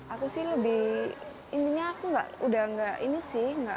aku sih lebih intinya aku udah gak ini sih